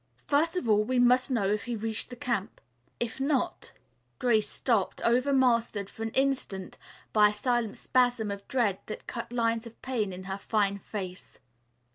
First of all we must know if he reached the camp. If not " Grace stopped, overmastered for an instant by a silent spasm of dread that cut lines of pain in her fine face.